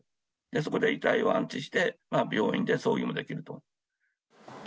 そこで遺体を安置して、病院で葬儀もできると。